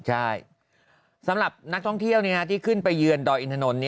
ใช่สำหรับนักท่องเที่ยวที่ขึ้นไปเยือนดอยอินถนน